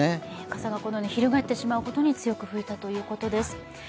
傘が翻ってしまうほどに強く吹いたということです。